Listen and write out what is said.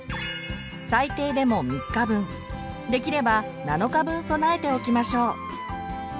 最低でも３日分できれば７日分備えておきましょう。